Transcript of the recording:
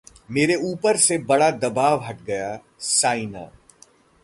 मेरे उपर से बड़ा दबाव हट गया: साइना